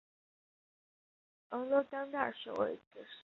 俄勒冈大学位于此市。